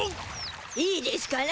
いいでしゅかな？